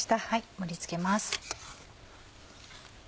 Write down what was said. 盛り付けます。